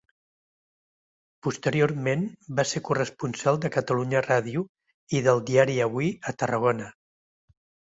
Posteriorment va ser corresponsal de Catalunya Ràdio i del diari Avui a Tarragona.